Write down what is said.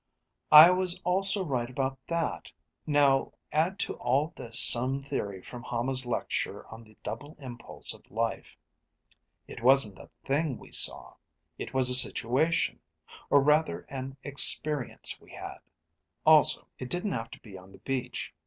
"I was also right about that. Now add to all this some theory from Hama's lecture on the double impulse of life. It wasn't a thing we saw, it was a situation, or rather an experience we had. Also, it didn't have to be on the beach.